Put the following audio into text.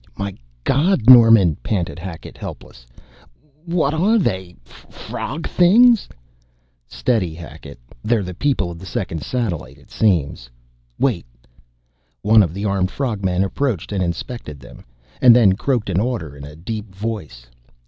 "My God, Norman," panted Hackett, helpless. "What are they frog things? " "Steady, Hackett. They're the people of the second satellite, it seems; wait!" One of the armed frog men approached and inspected them, and then croaked an order in a deep voice.